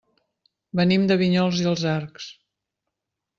Venim de Vinyols i els Arcs.